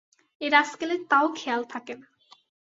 এ রাস্কেলের তাও খেয়াল থাকে না।